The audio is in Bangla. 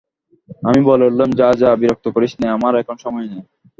আমি বলে উঠলুম, যা যা, বিরক্ত করিস নে আমার এখন সময় নেই।